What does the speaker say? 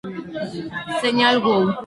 Señal Wow!